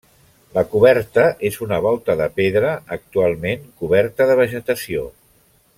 La coberta és una volta de pedra, actualment coberta de vegetació.